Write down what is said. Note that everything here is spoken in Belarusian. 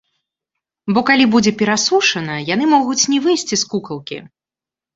Бо калі будзе перасушана, яны могуць не выйсці з кукалкі.